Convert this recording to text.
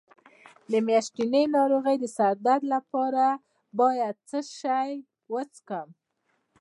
د میاشتنۍ ناروغۍ د سر درد لپاره باید څه شی وڅښم؟